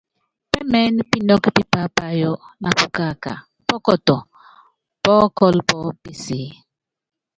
Pɛ́mɛɛ́nɛ pinɔ́kɔ́ pí paápayɔ́ na pukaaka, pɔkɔtɔ, pɔ́kɔ́lɔ pɔ́ peseé.